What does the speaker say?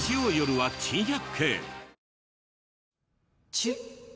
チュ。